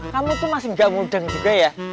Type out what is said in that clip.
kamu tuh masih nggak mudeng juga ya